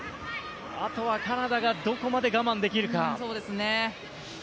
あとはカナダがどこまで我慢できるか。